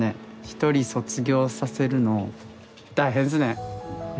一人卒業させるの大変ですね。